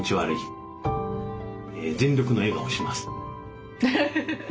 全力の笑顔します。